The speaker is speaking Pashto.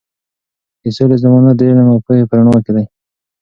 د سولې ضمانت د علم او پوهې په رڼا کې دی.